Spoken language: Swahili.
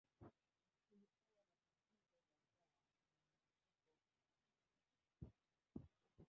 Kulikuwa na tatizo la njaa na mlipuko wa malaria